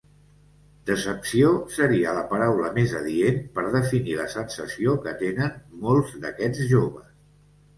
Decepció seria la paraula més adient per definir la sensació que tenen molts d'aquests joves.